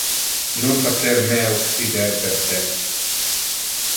Non facer me occider per te.